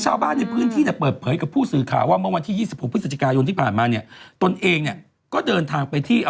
ฉันเน้ยเหนื่อยกับการนั่งทำรายการคนกับคนตัดจริตอย่างเธอ